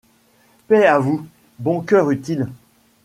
Paix à vous, bon coeur utile